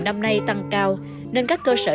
năm nay tăng cao nên các cơ sở